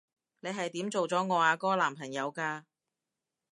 你係點做咗我阿哥男朋友㗎？